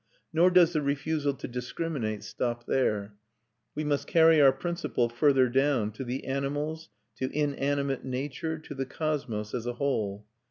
Nor does the refusal to discriminate stop there; we must carry our principle further down, to the animals, to inanimate nature, to the cosmos as a whole.